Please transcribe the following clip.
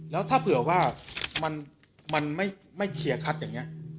แล้วถ้าเผื่อว่ามันไม่เคลียร์คัดอย่างนี้